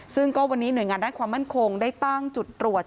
ซึ่งก็วันนี้หน่วยงานด้านความมั่นคงได้ตั้งจุดตรวจ